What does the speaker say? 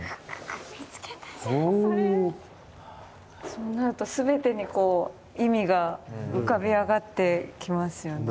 そうなると全てにこう意味が浮かび上がってきますよね。